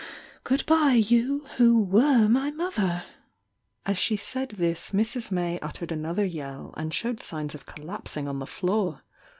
— Good bye you, who were my mother I" As she sail! this Mrs. May uttered another yell, and showed signs of collapsing on the floor.